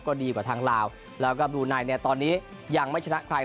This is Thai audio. ก็ดีกว่าทางลาวแล้วก็บลูไนเนี่ยตอนนี้ยังไม่ชนะใคร